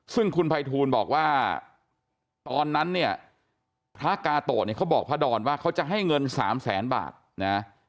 ซึ่งคุณภัยทูลบอกว่าตอนนั้นเนี่ยพระกาโตะเนี่ยเขาบอกพระดอนว่าเขาจะให้เงิน๓แสนบาทนะ